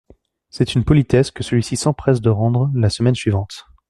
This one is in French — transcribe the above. C’est une politesse que celui-ci s’empresse de rendre la semaine suivante…